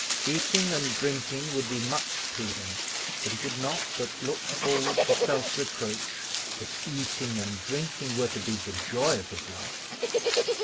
Eating and drinking would be much to him; but he could not but look forward to self reproach if eating and drinking were to be the joy of his life.